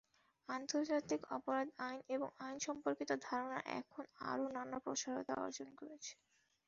আন্তর্জাতিক অপরাধ আইন এবং আইন-সম্পর্কিত ধারণা এখন আরও নানা প্রসারতা অর্জন করছে।